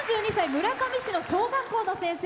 村上市の小学校の先生。